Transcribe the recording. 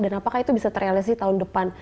dan apakah itu bisa terrealisasi tahun depan